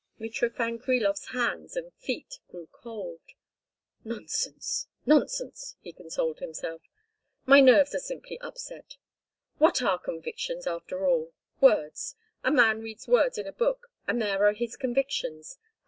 Mitrofan Krilov"s hands and feet grew cold. "Nonsense! Nonsense!" he consoled himself. "My nerves are simply upset. What are convictions after all? Words. A man reads words in a book, and there are his convictions.